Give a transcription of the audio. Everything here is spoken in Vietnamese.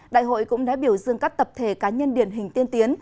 đại hội cũng đã biểu dương các tập thể cá nhân điển hình tiên tiến